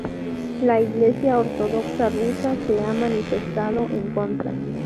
La Iglesia ortodoxa rusa se ha manifestado en contra.